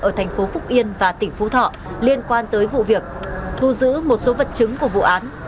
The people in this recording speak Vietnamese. ở thành phố phúc yên và tỉnh phú thọ liên quan tới vụ việc thu giữ một số vật chứng của vụ án